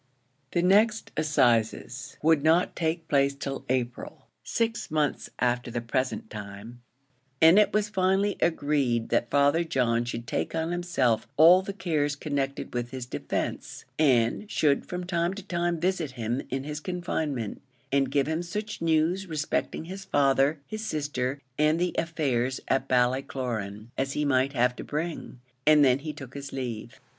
The next assizes would not take place till April, six months after the present time; and it was finally agreed that Father John should take on himself all the cares connected with his defence, and should from time to time visit him in his confinement, and give him such news respecting his father, his sister, and the affairs at Ballycloran, as he might have to bring; and then he took his leave.